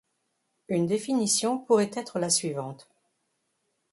Une définition pourrait être la suivante.